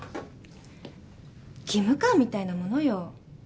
義務感みたいなものよ。